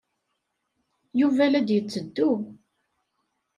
Yuba la d-yetteddu.